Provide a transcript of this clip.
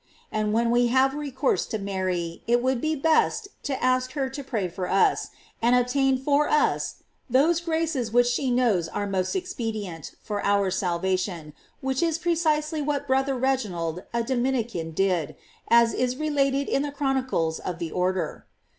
And when we have recourse toMaiy, it would be best to ask her to pray for us, and obtain for us those graces which she knows are most ex pedient for our salvation; which is precisely what Brother Reginald, a Dominican, did, as is related in the chronicles of the order.